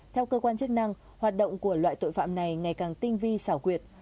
theo cơ quan chức năng hoạt động của loại tội phạm này ngày càng tinh vi xảo quyệt